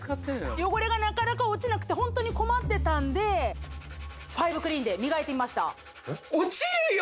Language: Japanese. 汚れがなかなか落ちなくてホントに困ってたんでファイブクリーンで磨いてみました落ちるよ！